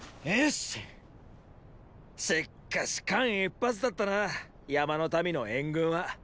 しっかし間一髪だったな山の民の援軍は。